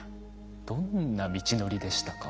どんな道のりでしたか？